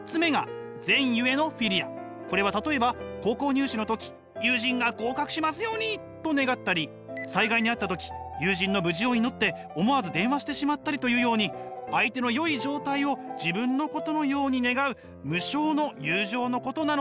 これは例えば高校入試の時友人が合格しますようにと願ったり災害に遭った時友人の無事を祈って思わず電話してしまったりというように相手の良い状態を自分のことのように願う無償の友情のことなのです。